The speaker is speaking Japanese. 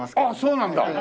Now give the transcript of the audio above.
あっそうなんだ！